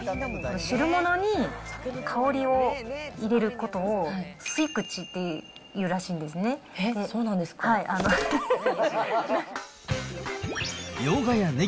汁物に香りを入れることを吸い口っていうらしいんですね。